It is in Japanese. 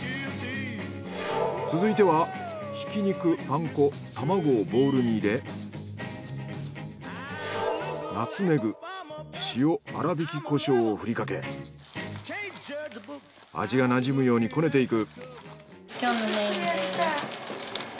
続いてはひき肉パン粉卵をボウルに入れナツメグ塩粗挽き胡椒をふりかけ味がなじむようにこねていく。